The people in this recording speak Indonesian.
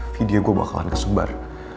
video gue bakalan kesebar